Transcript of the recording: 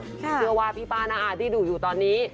เพราะว่าพี่ป้านะที่ดูอยู่ตอนนี้